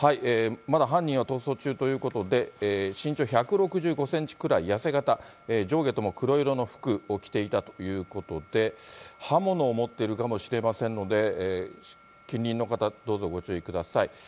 まだ犯人は逃走中ということで、身長１６５センチくらい、痩せ形、上下とも黒色の服を着ていたということで、刃物を持っているかもしれませんので、近隣の方、どうぞご注意ください。